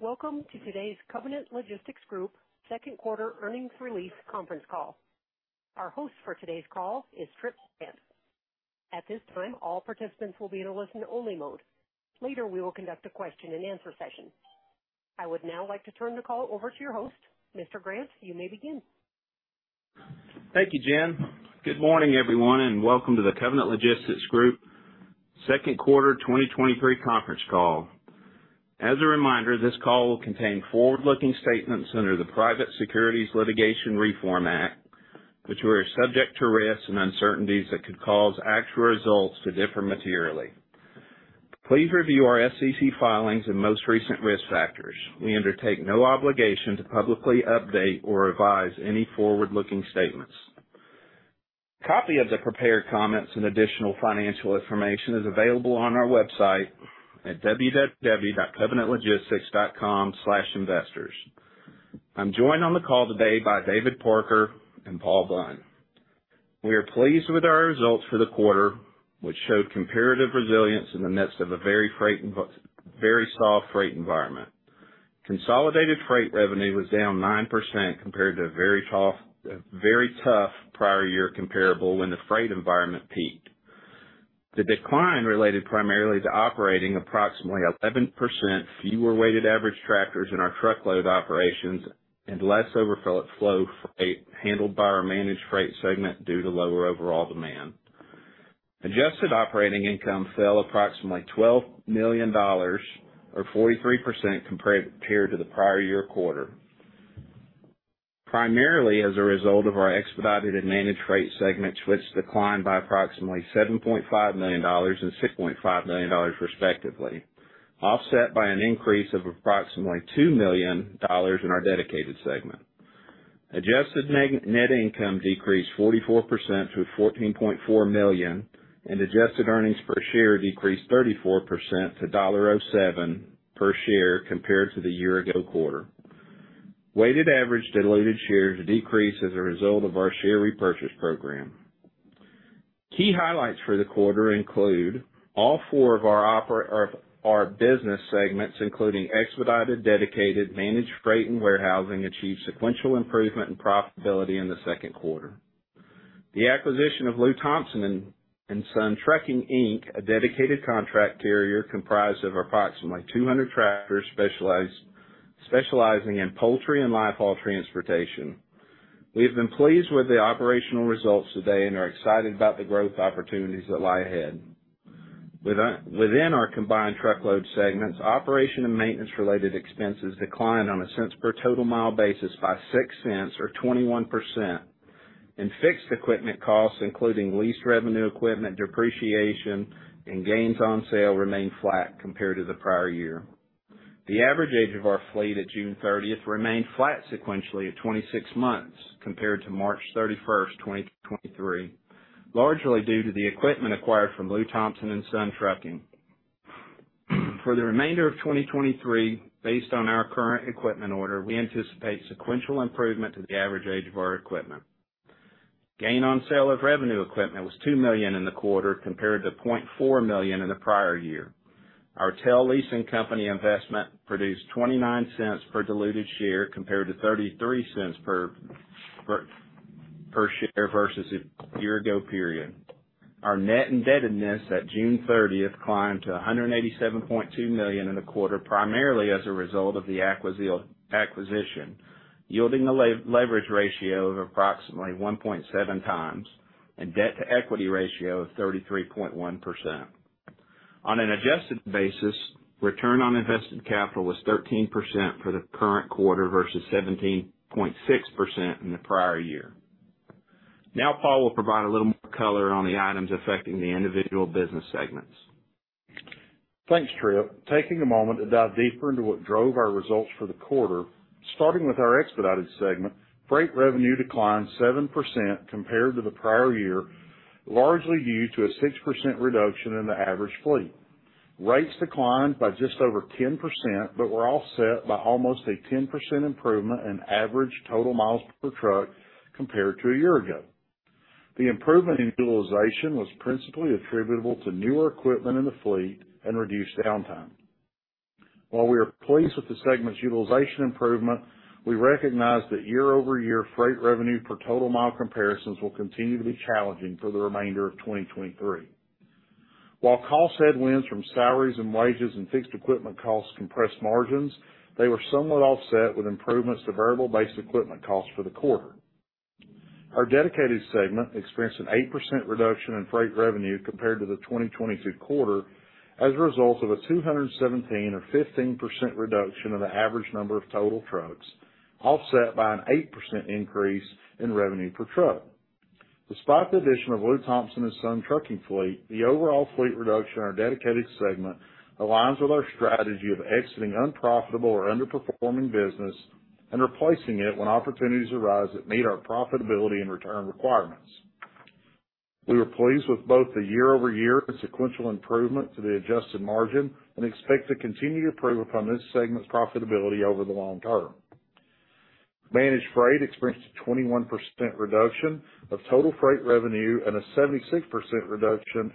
Welcome to today's Covenant Logistics Group Q2 Earnings Release Conference Call. Our host for today's call is Tripp Grant. At this time, all participants will be in a listen-only mode. Later, we will conduct a question-and-answer session. I would now like to turn the call over to your host. Mr. Grant, you may begin. Thank you, Jen. Good morning, everyone, welcome to the Covenant Logistics Group Q2 2023 Conference Call. As a reminder, this call will contain forward-looking statements under the Private Securities Litigation Reform Act, which we are subject to risks and uncertainties that could cause actual results to differ materially. Please review our SEC filings and most recent risk factors. We undertake no obligation to publicly update or revise any forward-looking statements. A copy of the prepared comments and additional financial information is available on our website at www.covenantlogistics.com/investors. I'm joined on the call today by David Parker and Paul Bunn. We are pleased with our results for the quarter, which showed comparative resilience in the midst of a very soft freight environment. Consolidated freight revenue was down 9% compared to a very tough prior year comparable when the freight environment peaked. The decline related primarily to operating approximately 11% fewer weighted average tractors in our truckload operations and less overfill flow freight handled by our managed freight segment due to lower overall demand. Adjusted operating income fell approximately $12 million, or 43%, compared to the prior year quarter. Primarily as a result of our expedited and managed rate segments, which declined by approximately $7.5 and 6.5 million, respectively, offset by an increase of approximately $2 million in our dedicated segment. Adjusted net, net income decreased 44% to $14.4 million, adjusted earnings per share decreased 34% to $1.07 per share compared to the year-ago quarter. Weighted average diluted shares decreased as a result of our share repurchase program. Key highlights for the quarter include all four of our. our business segments, including expedited, dedicated, managed freight, and warehousing, achieved sequential improvement in profitability in the Q2. The acquisition of Lew Thompson & Son Trucking, Inc., a dedicated contract carrier comprised of approximately 200 tractors, specializing in poultry and live haul transportation. We have been pleased with the operational results today and are excited about the growth opportunities that lie ahead. Within our combined truckload segments, operation and maintenance-related expenses declined on a cents per total mile basis by $0.06, or 21%, and fixed equipment costs, including lease revenue, equipment depreciation, and gains on sale, remained flat compared to the prior year. The average age of our fleet at 30 June remained flat sequentially at 26 months, compared to 31 March 2023, largely due to the equipment acquired from Lew Thompson & Son Trucking. For the remainder of 2023, based on our current equipment order, we anticipate sequential improvement to the average age of our equipment. Gain on sale of revenue equipment was $2 million in the quarter, compared to $0.4 million in the prior year. Our Transport Enterprise Leasing investment produced $0.29 per diluted share, compared to $0.33 per share versus a year ago period. Our net indebtedness at 30 June climbed to $187.2 million in the quarter, primarily as a result of the acquisition, yielding a leverage ratio of approximately 1.7x and debt-to-equity ratio of 33.1%. On an adjusted basis, return on invested capital was 13% for the current quarter versus 17.6% in the prior year. Now Paul will provide a little more color on the items affecting the individual business segments. Thanks, Tripp. Taking a moment to dive deeper into what drove our results for the quarter. Starting with our expedited segment, freight revenue declined 7% compared to the prior year, largely due to a 6% reduction in the average fleet. Rates declined by just over 10%, but were offset by almost a 10% improvement in average total miles per truck compared to a year ago. The improvement in utilization was principally attributable to newer equipment in the fleet and reduced downtime. While we are pleased with the segment's utilization improvement, we recognize that year-over-year freight revenue per total mile comparisons will continue to be challenging for the remainder of 2023. While cost headwinds from salaries and wages and fixed equipment costs compressed margins, they were somewhat offset with improvements to variable-based equipment costs for the quarter. Our dedicated segment experienced an 8% reduction in freight revenue compared to the 2022 quarter as a result of a 217 or 15% reduction in the average number of total trucks, offset by an 8% increase in revenue per truck. Despite the addition of Lew Thompson & Son Trucking fleet, the overall fleet reduction in our dedicated segment aligns with our strategy of exiting unprofitable or underperforming business and replacing it when opportunities arise that meet our profitability and return requirements. We are pleased with both the year-over-year and sequential improvement to the adjusted margin and expect to continue to improve upon this segment's profitability over the long term. Managed Freight experienced a 21% reduction of total freight revenue and a 76% reduction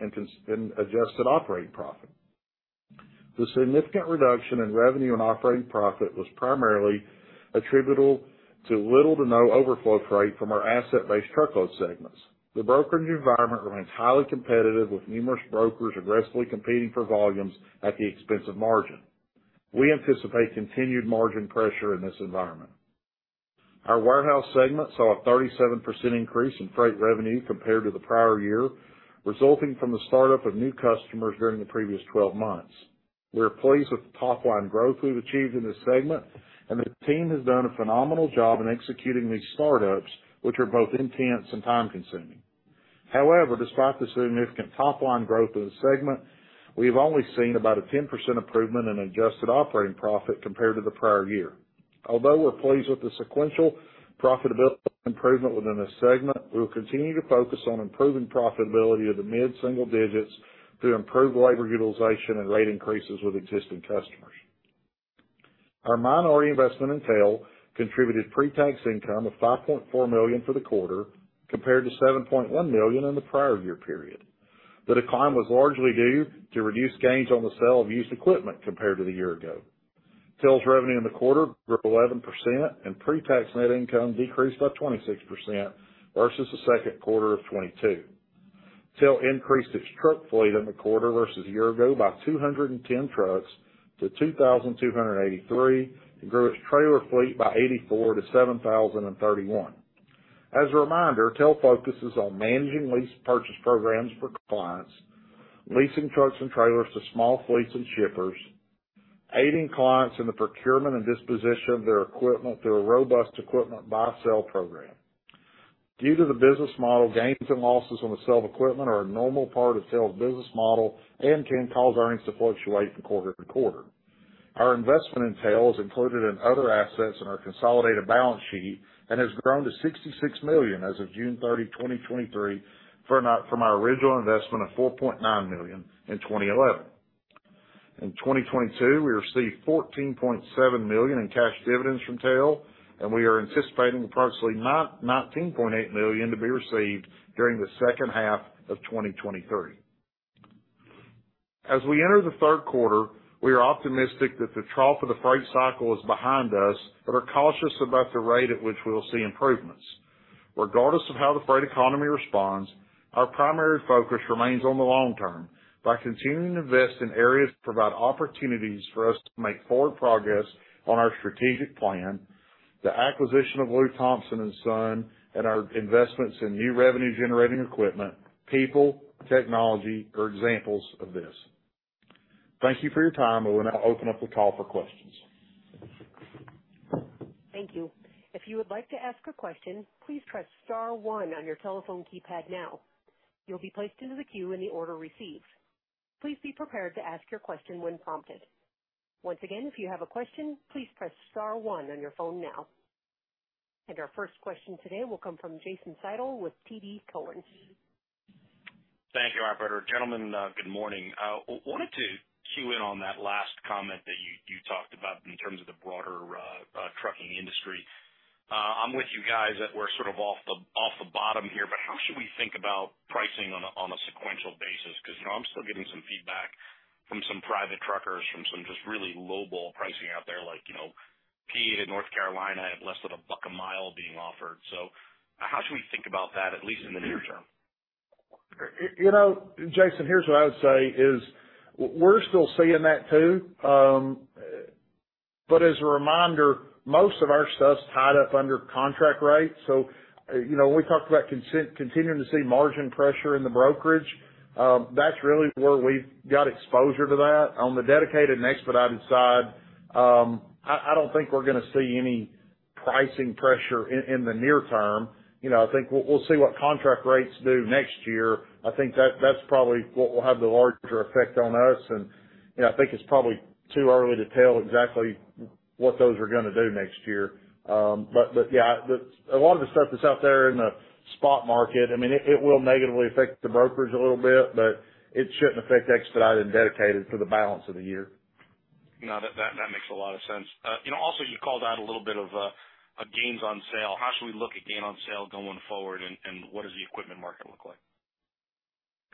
in adjusted operating profit. The significant reduction in revenue and operating profit was primarily attributable to little to no overflow freight from our asset-based truckload segments. The brokerage environment remains highly competitive, with numerous brokers aggressively competing for volumes at the expense of margin. We anticipate continued margin pressure in this environment. Our warehouse segment saw a 37% increase in freight revenue compared to the prior year, resulting from the startup of new customers during the previous 12 months. We are pleased with the top-line growth we've achieved in this segment, and the team has done a phenomenal job in executing these startups, which are both intense and time-consuming. However, despite the significant top-line growth of the segment, we've only seen about a 10% improvement in adjusted operating profit compared to the prior year. Although we're pleased with the sequential profitability improvement within this segment, we will continue to focus on improving profitability of the mid-single digits through improved labor utilization and rate increases with existing customers. Our minority investment in TEL contributed pretax income of $5.4 million for the quarter, compared to $7.1 million in the prior year period. The decline was largely due to reduced gains on the sale of used equipment compared to the year ago. TEL's revenue in the quarter grew 11% and pretax net income decreased by 26% versus the Q2 of 2022. TEL increased its truck fleet in the quarter versus a year ago by 210 trucks to 2,283, and grew its trailer fleet by 84 to 7,031. As a reminder, TEL focuses on managing lease purchase programs for clients, leasing trucks and trailers to small fleets and shippers, aiding clients in the procurement and disposition of their equipment through a robust equipment buy/sell program. Due to the business model, gains and losses on the sale of equipment are a normal part of TEL's business model and can cause earnings to fluctuate from quarter to quarter. Our investment in TEL is included in other assets in our consolidated balance sheet and has grown to $66 million as of 30 June 2023, from our original investment of $4.9 million in 2011. In 2022, we received $14.7 million in cash dividends from TEL, and we are anticipating approximately $19.8 million to be received during the second half of 2023. As we enter the Q3, we are optimistic that the trough of the freight cycle is behind us, but are cautious about the rate at which we will see improvements. Regardless of how the freight economy responds, our primary focus remains on the long term by continuing to invest in areas that provide opportunities for us to make forward progress on our strategic plan. The acquisition of Lew Thompson & Son and our investments in new revenue-generating equipment, people, technology, are examples of this. Thank you for your time. I will now open up the call for questions. Thank you. If you would like to ask a question, please press star one on your telephone keypad now. You'll be placed into the queue in the order received. Please be prepared to ask your question when prompted. Once again, if you have a question, please press star one on your phone now. Our first question today will come from Jason Seidl with TD Cowen. Thank you, operator. Gentlemen, good morning. Wanted to cue in on that last comment that you, you talked about in terms of the broader trucking industry. I'm with you guys that we're sort of off the, off the bottom here, but how should we think about pricing on a sequential basis? Because, you know, I'm still getting some feedback from some private truckers, from some just really lowball pricing out there, like, you know, PA to North Carolina have less than $1 a mile being offered. How should we think about that, at least in the near term? You know, Jason Seidl, here's what I would say, is we're still seeing that, too. As a reminder, most of our stuff's tied up under contract rates. You know, when we talked about continuing to see margin pressure in the brokerage, that's really where we've got exposure to that. On the dedicated and expedited side, I, I don't think we're gonna see any pricing pressure in, in the near term. You know, I think we'll, we'll see what contract rates do next year. I think that's probably what will have the larger effect on us, and, you know, I think it's probably too early to tell exactly what those are gonna do next year. A lot of the stuff that's out there in the spot market, I mean, it will negatively affect the brokerage a little bit, but it shouldn't affect expedited and dedicated for the balance of the year. No, that, that makes a lot of sense. You know, also, you called out a little bit of gains on sale. How should we look at gain on sale going forward, and what does the equipment market look like?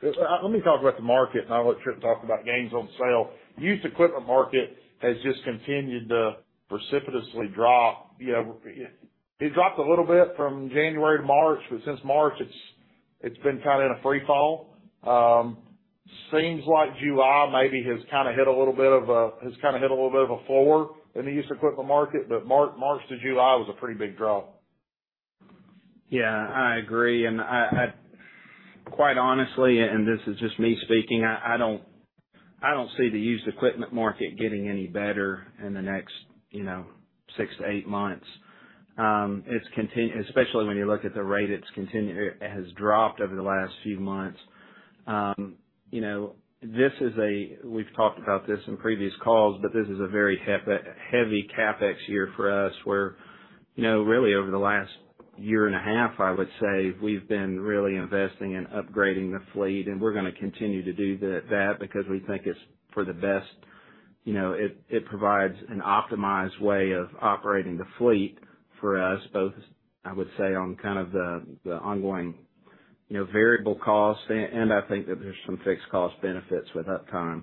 Let me talk about the market. I'll let Tripp talk about gains on sale. Used equipment market has just continued to precipitously drop. You know, it dropped a little bit from January to March. Since March, it's been kind of in a free fall. Seems like July maybe has kind of hit a little bit of a floor in the used equipment market. March to July was a pretty big drop. Yeah, I agree. I, I, quite honestly, and this is just me speaking, I, I don't, I don't see the used equipment market getting any better in the next, you know, 6 to 8 months. It's especially when you look at the rate, it's continued. It has dropped over the last few months. You know, this is we've talked about this in previous calls, but this is a very heavy CapEx year for us, where, you know, really over the last year and a half, I would say, we've been really investing in upgrading the fleet, and we're gonna continue to do that, because we think it's for the best. you know, it, it provides an optimized way of operating the fleet for us both, I would say, on kind of the, the ongoing, you know, variable costs, and, and I think that there's some fixed cost benefits with uptime.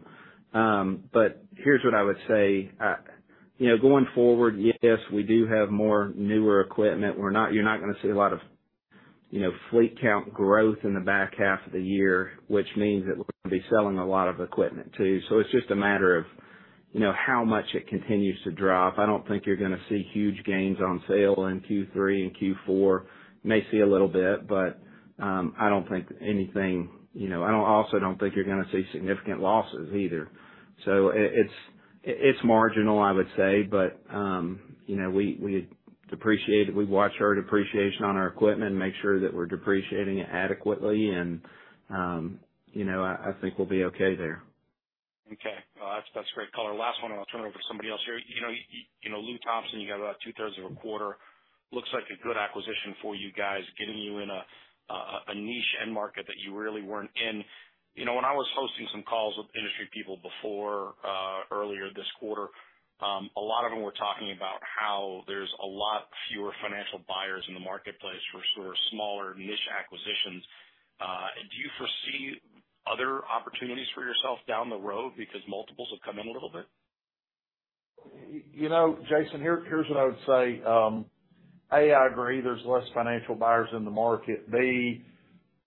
Here's what I would say. You know, going forward, yes, we do have more newer equipment. You're not gonna see a lot of, you know, fleet count growth in the back half of the year, which means that we're gonna be selling a lot of equipment, too. It's just a matter of, you know, how much it continues to drop. I don't think you're gonna see huge gains on sale in Q3 and Q4. You may see a little bit, but, I don't think anything, you know. I also don't think you're gonna see significant losses either. It's marginal, I would say. You know, we depreciate it. We watch our depreciation on our equipment, make sure that we're depreciating it adequately, and, you know, I think we'll be okay there. Okay. Well, that's, that's great color. Last one, and I'll turn it over to somebody else here. You know, Lew Thompson, you got about 2/3 of a quarter. Looks like a good acquisition for you guys, getting you in a niche end market that you really weren't in. You know, when I was hosting some calls with industry people before, earlier this quarter, a lot of them were talking about how there's a lot fewer financial buyers in the marketplace for sort of smaller niche acquisitions. Do you foresee other opportunities for yourself down the road because multiples have come in a little bit? You know, Jason, here's what I would say. I agree, there's less financial buyers in the market.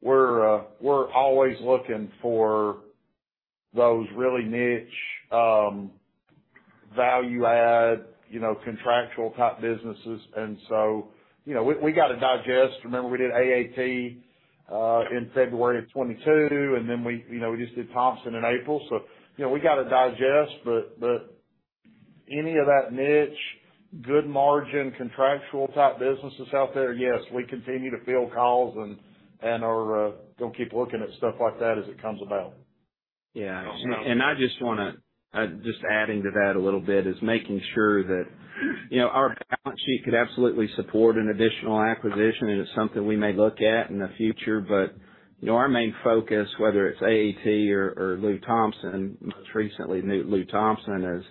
We're always looking for those really niche, value-add, you know, contractual type businesses, you know, we got to digest. Remember, we did AAT in February of 2022, we just did Thompson in April, you know, we got to digest. But any of that niche, good margin, contractual type businesses out there, yes, we continue to field calls and are gonna keep looking at stuff like that as it comes about. I just wanna, just adding to that a little bit, is making sure that, you know, our balance sheet could absolutely support an additional acquisition, and it's something we may look at in the future. Our main focus, whether it's AAT or, or Lew Thompson, most recently Lew Thompson, is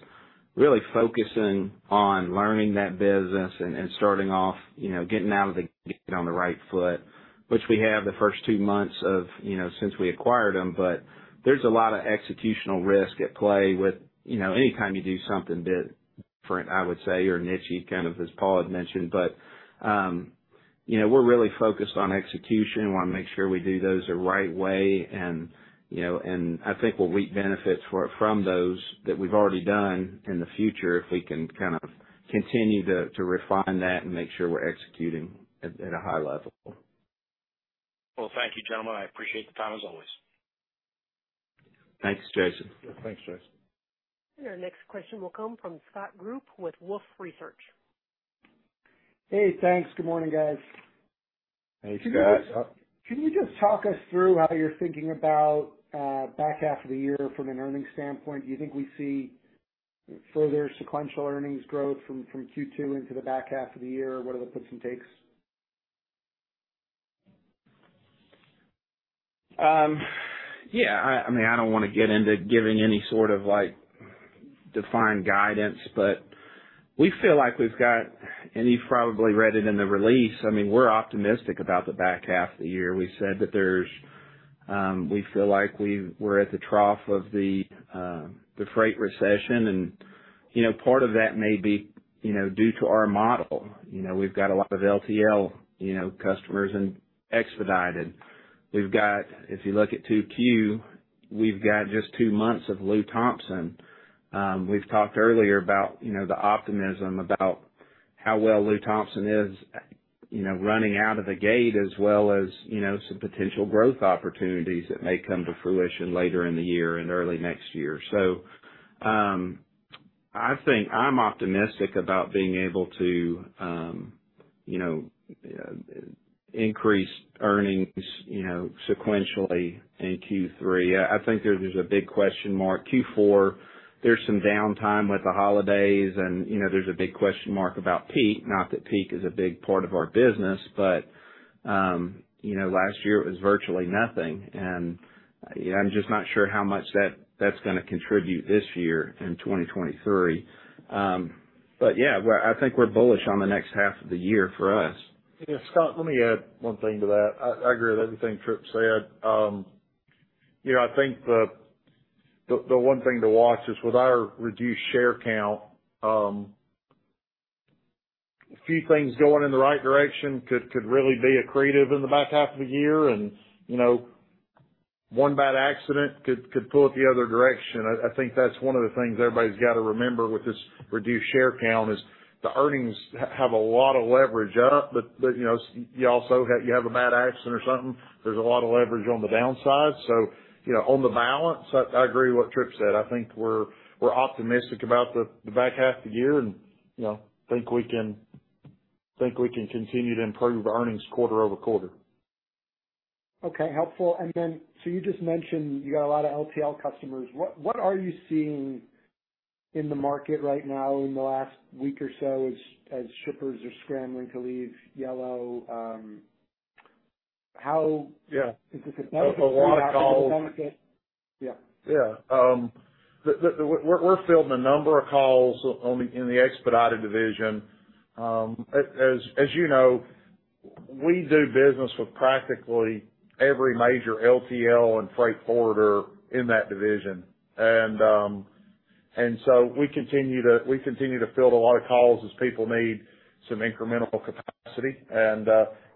really focusing on learning that business and, and starting off, you know, getting out of the gate on the right foot, which we have the first 2 months of, you know, since we acquired them. There's a lot of executional risk at play with, you know, anytime you do something different, I would say, or nichey, kind of as Paul had mentioned. We're really focused on execution. We want to make sure we do those the right way, and, you know, and I think we'll reap benefits for, from those that we've already done in the future if we can kind of continue to refine that and make sure we're executing at a high level. Well, thank you, gentlemen. I appreciate the time, as always. Thanks, Jason. Thanks, Jason. Our next question will come from Scott Group with Wolfe Research. Hey, thanks. Good morning, guys. Hey, Scott. Hey, Scott. Can you just talk us through how you're thinking about back half of the year from an earnings standpoint? Do you think we see further sequential earnings growth from Q2 into the back half of the year? What are the puts and takes? Yeah, I, I mean, I don't want to get into giving any sort of, like, defined guidance, but we feel like we've got... You've probably read it in the release, I mean, we're optimistic about the back half of the year. We said that there's, we feel like we're at the trough of the freight recession, and, you know, part of that may be, you know, due to our model. You know, we've got a lot of LTL, you know, customers and expedited. We've got, if you look at 2Q, we've got just two months of Lew Thompson. We've talked earlier about, you know, the optimism about how well Lew Thompson is, you know, running out of the gate, as well as, you know, some potential growth opportunities that may come to fruition later in the year and early next year. I think I'm optimistic about being able to, you know, increase earnings, you know, sequentially in Q3. I think there's a big question mark. Q4, there's some downtime with the holidays, you know, there's a big question mark about peak. Not that peak is a big part of our business, you know, last year it was virtually nothing, I'm just not sure how much that's gonna contribute this year in 2023. Yeah, I think we're bullish on the next half of the year for us. Yeah, Scott, let me add one thing to that. I agree with everything Tripp said. you know, I think the one thing to watch is, with our reduced share count, a few things going in the right direction could really be accretive in the back half of the year and, you know, one bad accident could pull it the other direction. I think that's one of the things everybody's got to remember with this reduced share count, is the earnings have a lot of leverage up, but, you know, you also have a bad accident or something, there's a lot of leverage on the downside. you know, on the balance, I agree with what Tripp said. I think we're optimistic about the back half of the year, and, you know, think we can continue to improve earnings quarter-over-quarter. Okay, helpful. You just mentioned you got a lot of LTL customers. What are you seeing in the market right now in the last week or so as shippers are scrambling to leave Yellow? Yeah. Is this a lot of calls? A lot of calls. Yeah. Yeah, we're filling a number of calls in the expedited division. As you know, we do business with practically every major LTL and freight forwarder in that division. So we continue to field a lot of calls as people need some incremental capacity.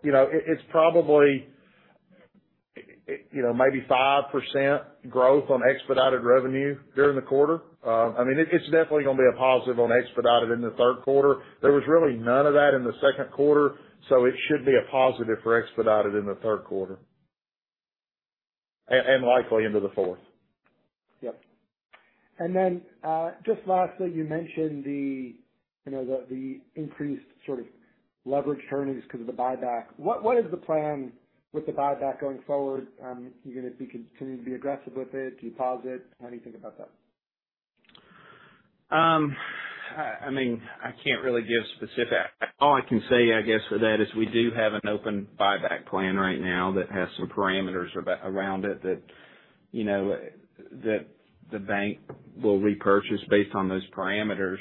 You know, it's probably, you know, maybe 5% growth on expedited revenue during the quarter. I mean, it's definitely gonna be a positive on expedited in the Q3. There was really none of that in the Q2, so it should be a positive for expedited in the Q3. And likely into the fourth. Yep. Just lastly, you mentioned the, you know, the increased sort of leverage earnings because of the buyback. What is the plan with the buyback going forward? Are you gonna be continuing to be aggressive with it? Do you pause it? How do you think about that? I mean, I can't really give specific. All I can say, I guess, for that is we do have an open buyback plan right now that has some parameters around it, that, you know, that the bank will repurchase based on those parameters.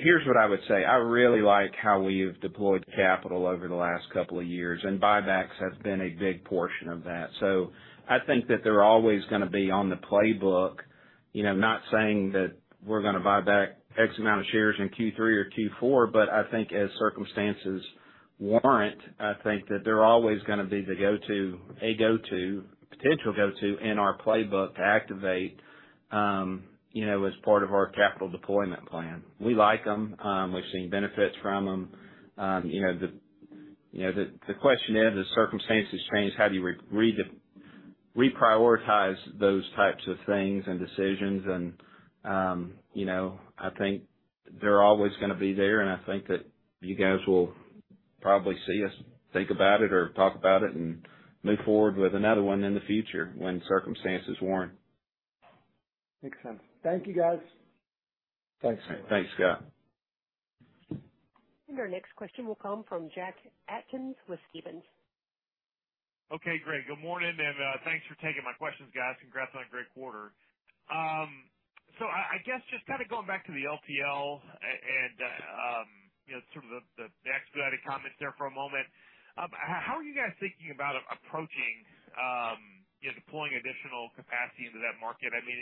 Here's what I would say: I really like how we've deployed capital over the last couple of years, and buybacks have been a big portion of that. I think that they're always gonna be on the playbook, you know, not saying that we're gonna buy back X amount of shares in Q3 or Q4, but I think as circumstances warrant, I think that they're always gonna be the go-to, a potential go-to in our playbook to activate, you know, as part of our capital deployment plan. We like them. We've seen benefits from them. you know, the question is, as circumstances change, how do you reprioritize those types of things and decisions? you know, I think they're always gonna be there, and I think that you guys will probably see us think about it or talk about it and move forward with another one in the future when circumstances warrant. Makes sense. Thank you, guys. Thanks. Thanks, Scott. Our next question will come from Jack Atkins with Stephens. Okay, great. Good morning, and thanks for taking my questions, guys. Congrats on a great quarter. I, I guess just kind of going back to the LTL and, you know, sort of the, the expedited comments there for a moment. How are you guys thinking about approaching, you know, deploying additional capacity into that market? I mean,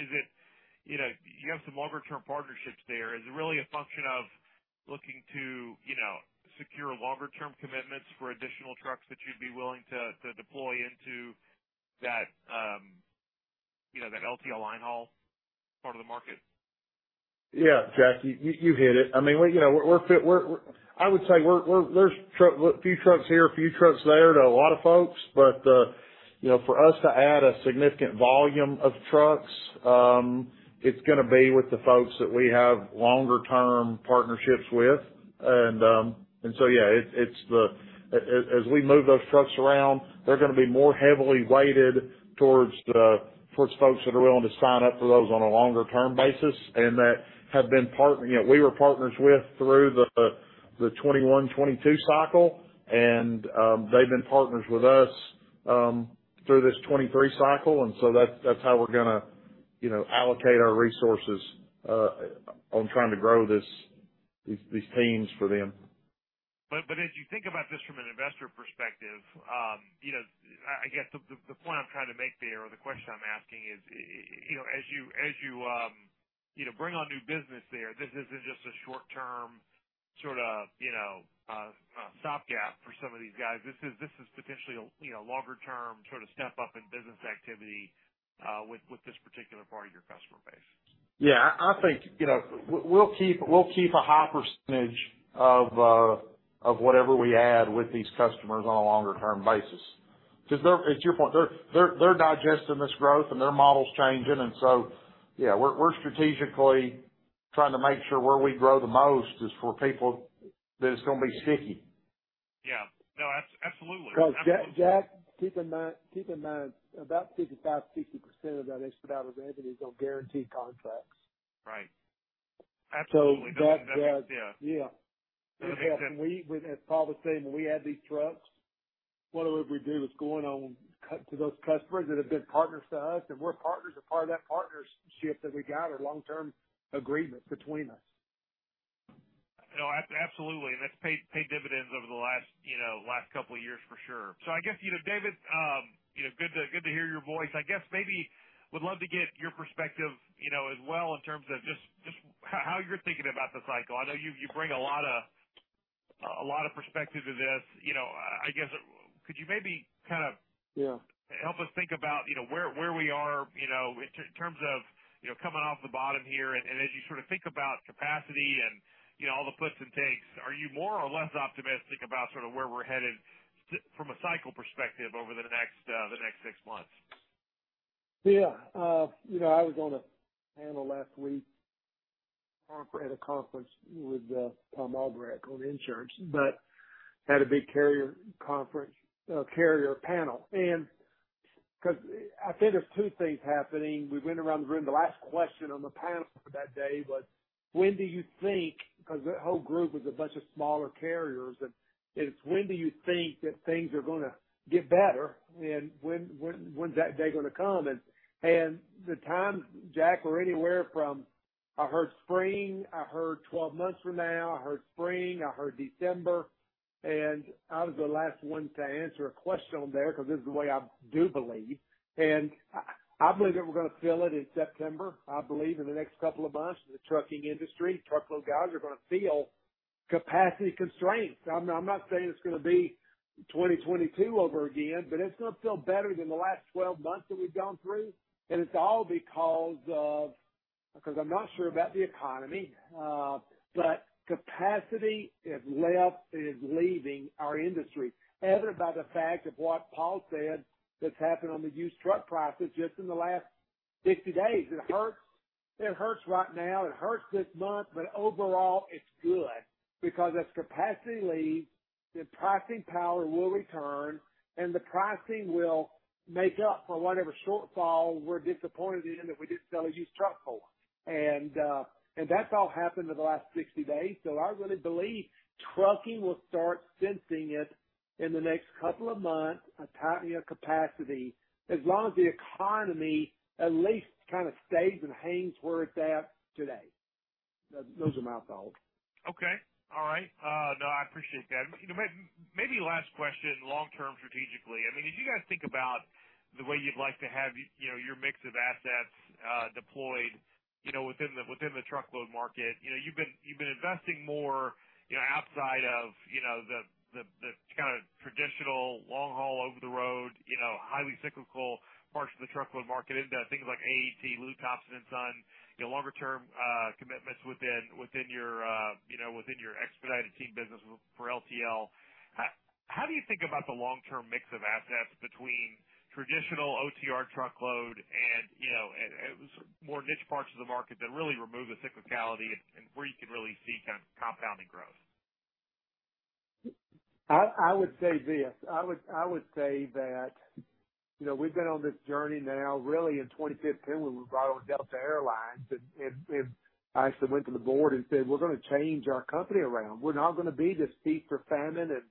is it... You know, you have some longer term partnerships there. Is it really a function of looking to, you know, secure longer term commitments for additional trucks that you'd be willing to deploy into that, you know, that LTL line haul part of the market? Yeah, Jack, you hit it. I mean, we, you know, we're I would say we're there's a few trucks here, a few trucks there to a lot of folks. You know, for us to add a significant volume of trucks, it's gonna be with the folks that we have longer term partnerships with. As we move those trucks around, they're gonna be more heavily weighted towards folks that are willing to sign up for those on a longer-term basis, and that have been partner, you know, we were partners with through the 21, 22 cycle, and they've been partners with us through this 23 cycle, and so that's how we're gonna, you know, allocate our resources on trying to grow these teams for them. As you think about this from an investor perspective, you know, I, I guess the, the point I'm trying to make there, or the question I'm asking is, you know, as you, you know, bring on new business there, this isn't just a short-term sort of, you know, a stopgap for some of these guys. This is potentially a, you know, longer-term sort of step-up in business activity, with this particular part of your customer base. Yeah, I, I think, you know, we'll keep a high percentage of whatever we add with these customers on a longer-term basis. It's your point, they're digesting this growth and their model's changing. Yeah, we're strategically trying to make sure where we grow the most is for people that it's gonna be sticky. Yeah. No, absolutely. Jack, keep in mind, about 55% to 60% of that expedited revenue is on guaranteed contracts. Right. Absolutely. that. Yeah. Yeah. We, as Paul was saying, when we add these trucks, what it would do is going on to those customers that have been partners to us, and we're partners. Part of that partnership that we got are long-term agreements between us. No, absolutely, and that's paid dividends over the last, you know, last couple of years for sure. I guess, you know, David, you know, good to hear your voice. I guess maybe would love to get your perspective, you know, as well in terms of just how you're thinking about the cycle. I know you bring a lot of perspective to this. You know, I guess could you maybe kind of. Yeah. Help us think about, you know, where, where we are, you know, in terms of, you know, coming off the bottom here. As you sort of think about capacity and, you know, all the puts and takes, are you more or less optimistic about sort of where we're headed from a cycle perspective over the next six months? Yeah. you know, I was on a panel last week at a conference with Thom Albrecht on insurance, but had a big carrier conference, carrier panel. 'Cause I think there's 2 things happening. We went around the room, the last question on the panel for that day was, when do you think, 'cause that whole group was a bunch of smaller carriers, and it's when do you think that things are gonna get better, and when's that day gonna come? The times, Jack, were anywhere from, I heard spring, I heard 12 months from now, I heard spring, I heard December, and I was the last 1 to answer a question on there, because this is the way I do believe, and I, I believe that we're gonna feel it in September. I believe in the next couple of months, the trucking industry, truckload guys are gonna feel capacity constraints. I'm not saying it's gonna be 2022 over again, but it's gonna feel better than the last 12 months that we've gone through. It's all because of. I'm not sure about the economy, but capacity has left, is leaving our industry, evident by the fact of what Paul said that's happened on the used truck prices just in the last 60 days. It hurts right now, it hurts this month, but overall it's good because as capacity leaves, the pricing power will return, and the pricing will make up for whatever shortfall we're disappointed in that we just sell a used truck for. That's all happened in the last 60 days. I really believe trucking will start sensing it in the next couple of months, a tightening of capacity, as long as the economy at least kind of stays and hangs where it's at today. Those are my thoughts. Okay. All right. No, I appreciate that. You know, maybe last question, long term strategically, I mean, as you guys think about the way you'd like to have, you know, your mix of assets, deployed, you know, within the truckload market, you know, you've been investing more, you know, outside of, you know, the kind of traditional long haul over the road, you know, highly cyclical parts of the truckload market into things like AAT, Lew Thompson & Son, you know, longer term commitments within your, you know, within your expedited team business for LTL. How do you think about the long-term mix of assets between traditional OTR truckload and, you know, and more niche parts of the market that really remove the cyclicality and where you can really see kind of compounding growth? I would say this. I would say that, you know, we've been on this journey now really in 2015 when we bought Delta Airlines, and I actually went to the board and said, "We're gonna change our company around. We're not gonna be this feast or famine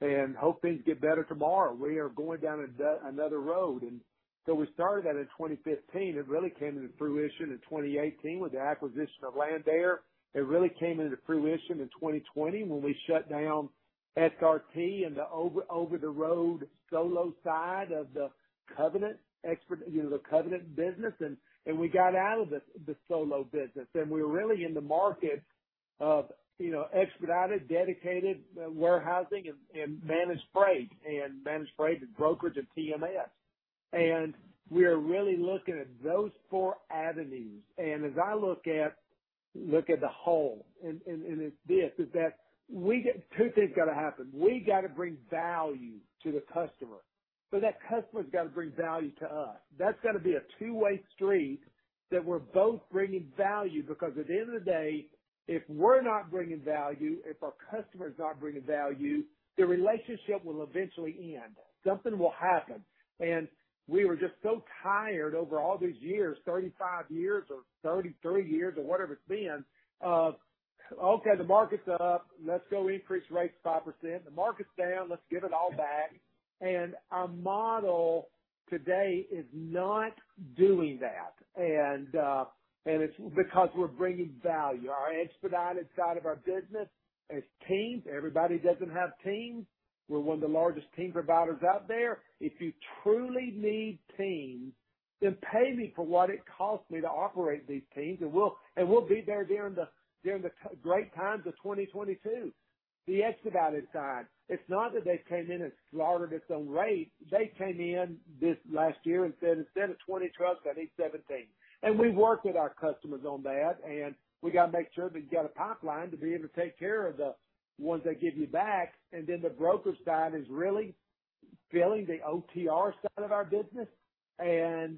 and hope things get better tomorrow. We are going down another road." We started that in 2015. It really came into fruition in 2018 with the acquisition of Landair. It really came into fruition in 2020 when we shut down SRT and the over the road solo side of the Covenant expert, you know, the Covenant business, and we got out of the solo business. We were really in the market of, you know, expedited, dedicated, warehousing and managed freight, and managed freight and brokerage and TMS. We are really looking at those four avenues. As I look at the whole, two things got to happen. We got to bring value to the customer, but that customer's got to bring value to us. That's got to be a two-way street, that we're both bringing value, because at the end of the day, if we're not bringing value, if our customer is not bringing value, the relationship will eventually end. Something will happen. We were just so tired over all these years, 35 years or 33 years or whatever it's been, of, "Okay, the market's up, let's go increase rates 5%. The market's down, let's give it all back." Our model today is not doing that. It's because we're bringing value. Our expedited side of our business is teams. Everybody doesn't have teams. We're one of the largest team providers out there. If you truly need teams, then pay me for what it costs me to operate these teams, and we'll be there during the great times of 2022. The expedited side, it's not that they came in and slaughtered us on rate. They came in this last year and said, "Instead of 20 trucks, I need 17." We've worked with our customers on that, and we got to make sure that we got a pipeline to be able to take care of the ones that give you back. The brokerage side is really filling the OTR side of our business. As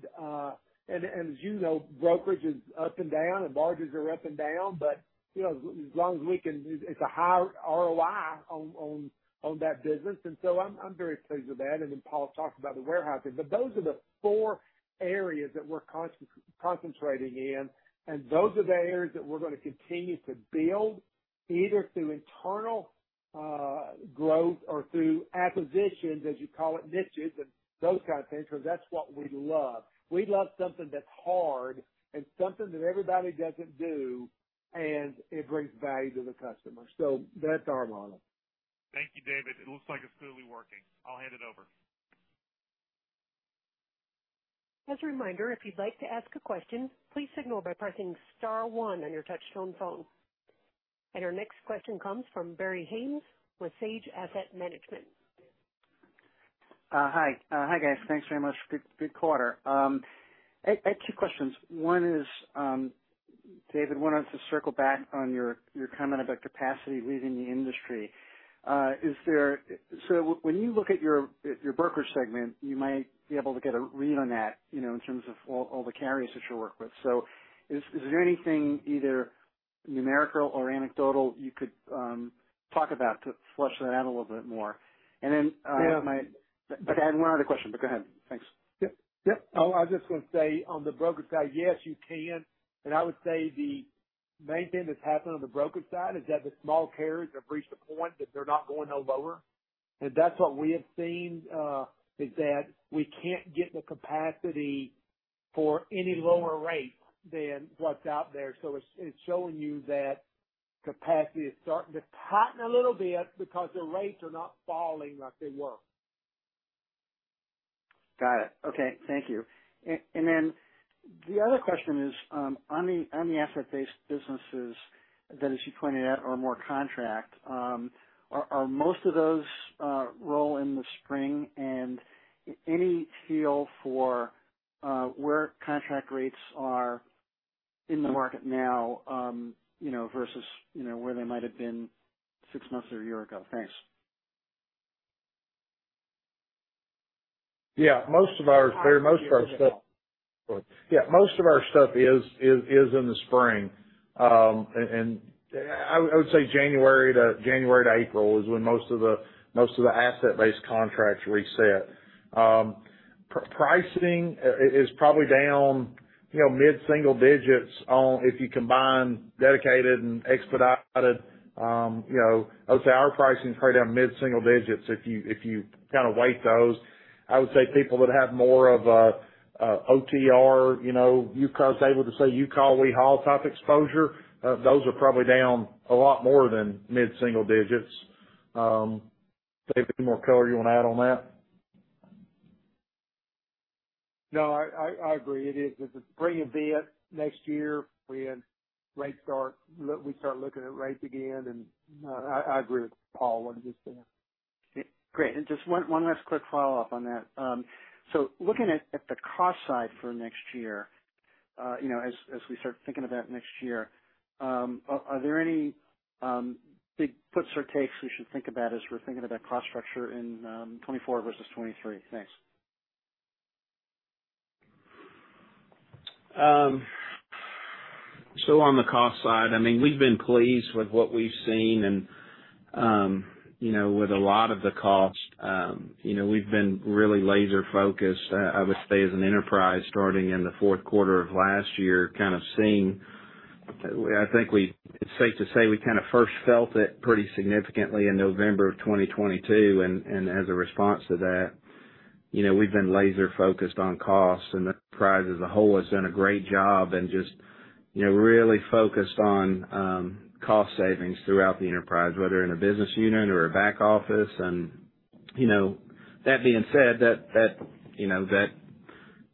you know, brokerage is up and down, and barges are up and down, you know, it's a high ROI on that business. I'm very pleased with that. Paul talked about the warehousing. Those are the four areas that we're concentrating in, and those are the areas that we're going to continue to build, either through internal growth or through acquisitions, as you call it, niches and those kinds of things, because that's what we love. We love something that's hard and something that everybody doesn't do, and it brings value to the customer. That's our model. Thank you, David. It looks like it's clearly working. I'll hand it over. As a reminder, if you'd like to ask a question, please signal by pressing star one on your touchtone phone. Our next question comes from Barry Haimes with Sage Asset Management. Hi, guys. Thanks very much. Good quarter. I have two questions. One is, David, I wanted us to circle back on your comment about capacity leaving the industry. When you look at your brokerage segment, you might be able to get a read on that, you know, in terms of all the carriers that you work with. Is there anything either numerical or anecdotal you could talk about to flush that out a little bit more? Then my. Yeah. I had one other question, but go ahead. Thanks. Yep. I was just going to say, on the brokerage side, yes, you can. I would say the main thing that's happened on the brokerage side is that the small carriers have reached a point that they're not going no lower. That's what we have seen, is that we can't get the capacity for any lower rate than what's out there. It's showing you that capacity is starting to tighten a little bit because the rates are not falling like they were. Got it. Okay. Thank you. Then the other question is, on the asset-based businesses that, as you pointed out, are more contract, are most of those roll in the spring? Any feel for where contract rates are in the market now, you know, versus, you know, where they might have been six months or a year ago? Thanks. Yeah, most of our stuff is in the spring. I would say January to April is when most of the asset-based contracts reset. Pricing is probably down, you know, mid-single digits on, if you combine dedicated and expedited, you know, I would say our pricing is probably down mid-single digits if you kind of weight those. I would say people that have more of a OTR, you know, you cause able to say, "You call, we haul," type exposure, those are probably down a lot more than mid-single digits. Dave, any more color you want to add on that? No, I agree. It is. It's going to be it next year when rates start. Look, we start looking at rates again. I agree with Paul, what he just said. Great. Just one last quick follow-up on that. Looking at the cost side for next year, you know, as we start thinking about next year, are there any big puts or takes we should think about as we're thinking about cost structure in 2024 versus 2023? Thanks. On the cost side, I mean, we've been pleased with what we've seen, and, you know, with a lot of the costs, you know, we've been really laser focused, I would say, as an enterprise, starting in the Q4 of last year, kind of seeing... I think it's safe to say we kind of first felt it pretty significantly in November of 2022. As a response to that, you know, we've been laser focused on costs, and the enterprise as a whole has done a great job and just, you know, really focused on cost savings throughout the enterprise, whether in a business unit or a back office. You know, that being said, you know, that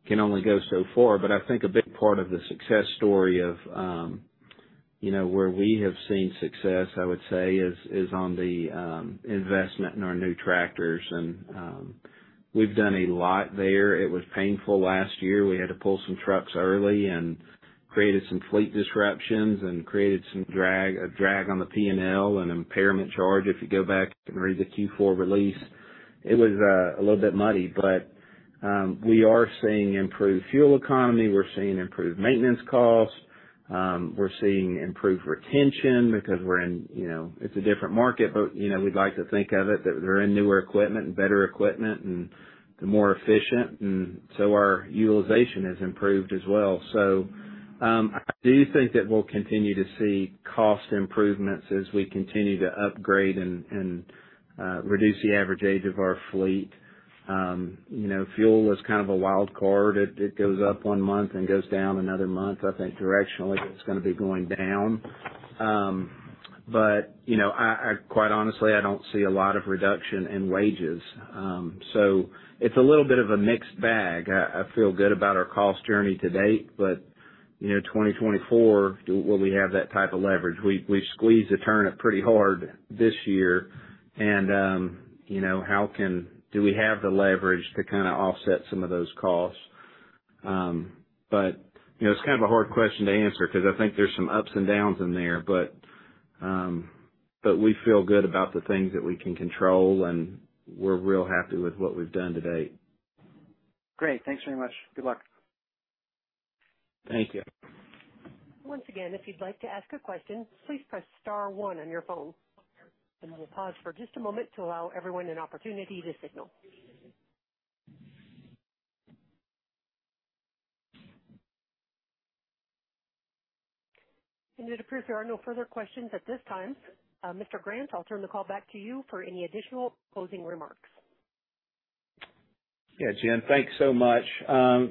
can only go so far. I think a big part of the success story of, you know, where we have seen success, I would say, is on the investment in our new tractors, and we've done a lot there. It was painful last year. We had to pull some trucks early and created some fleet disruptions and created some drag, a drag on the PNL, an impairment charge. If you go back and read the Q4 release, it was a little bit muddy, but we are seeing improved fuel economy, we're seeing improved maintenance costs, we're seeing improved retention because we're in, you know, it's a different market, but, you know, we'd like to think of it that they're in newer equipment and better equipment and they're more efficient, and so our utilization has improved as well. I do think that we'll continue to see cost improvements as we continue to upgrade and reduce the average age of our fleet. You know, fuel is kind of a wild card. It goes up one month and goes down another month. I think directionally it's going to be going down. You know, I, quite honestly, I don't see a lot of reduction in wages. It's a little bit of a mixed bag. I feel good about our cost journey to date, you know, 2024, will we have that type of leverage? We've squeezed the turnip pretty hard this year, you know, do we have the leverage to kind of offset some of those costs? You know, it's kind of a hard question to answer because I think there's some ups and downs in there. we feel good about the things that we can control, and we're real happy with what we've done to date. Great. Thanks very much. Good luck. Thank you. Once again, if you'd like to ask a question, please press star one on your phone. We'll pause for just a moment to allow everyone an opportunity to signal. It appears there are no further questions at this time. Mr. Grant, I'll turn the call back to you for any additional closing remarks. Yeah, Jen, thanks so much.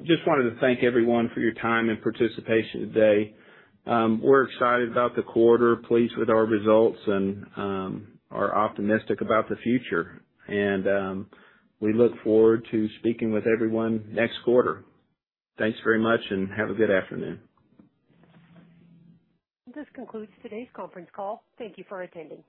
Just wanted to thank everyone for your time and participation today. We're excited about the quarter, pleased with our results, and are optimistic about the future. We look forward to speaking with everyone next quarter. Thanks very much, and have a good afternoon. This concludes today's conference call. Thank you for attending.